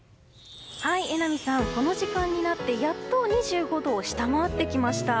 榎並さん、この時間になってやっと２５度を下回ってきました。